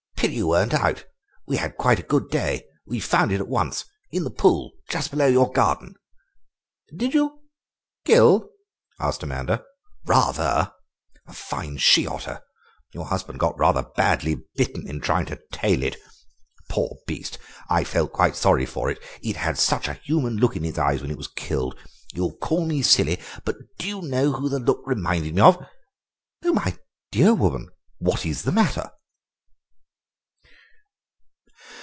"Pity you weren't out; we had quite a good day. We found at once, in the pool just below your garden." "Did you—kill?" asked Amanda. "Rather. A fine she otter. Your husband got rather badly bitten in trying to 'tail it.' Poor beast, I felt quite sorry for it, it had such a human look in its eyes when it was killed. You'll call me silly, but do you know who the look reminded me of? My dear woman, what is the matter?"